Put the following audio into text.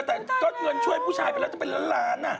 แต่ก็เงินช่วยผู้ชายไปแล้วจะเป็นล้านล้าน